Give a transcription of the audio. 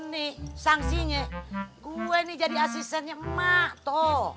nih sanksinya gue nih jadi asistennya emak tau